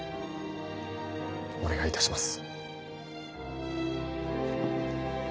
お願いいたします。